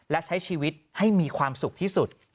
และใช้ชีวิตให้มีความสุขที่สุด